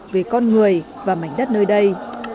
về con người và mảnh đất nơi đây